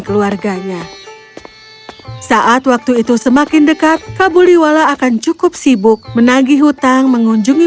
keluarganya saat waktu itu semakin dekat kabuliwala akan cukup sibuk menagih hutang mengunjungi